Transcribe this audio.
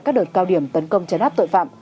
các đợt cao điểm tấn công chấn áp tội phạm